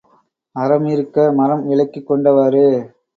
அறம் இருக்க மறம் விலைக்குக் கொண்டவாறு.